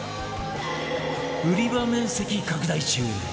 売り場面積拡大中